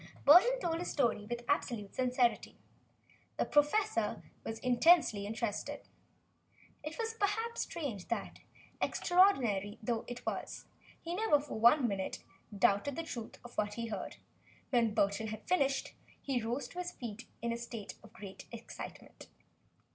Burton told his story with absolute sincerity. The professor listened with intense interest. It was perhaps strange that, extraordinary though it was, he never for one moment seemed to doubt the truth of what he heard. When Burton had finished, he rose to his feet in a state of great excitement.